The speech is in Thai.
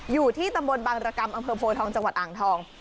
อยู่ที่ตำบลบางรกรรมอำเภอโพทองจังหวัดอ่างทอง